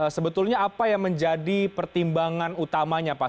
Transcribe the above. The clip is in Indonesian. sebetulnya apa yang menjadi pertimbangan utamanya pak